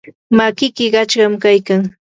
makiki qachqam kaykan.